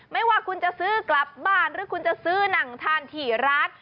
ไม่ว่าคุณจะซื้อกลับบ้านหรือคุณจะซื้อหนังทานถี่ร้าน